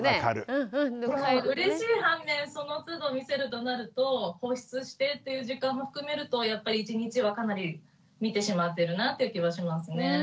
うれしい反面そのつど見せるとなると保湿してっていう時間も含めるとやっぱり一日はかなり見てしまってるなっていう気はしますね。